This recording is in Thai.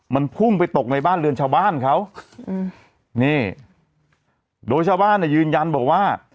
มันพุ่งไปตกในบ้านเรือนชาวบ้านเขาอืมนี่โดยชาวบ้านเนี่ยยืนยันบอกว่า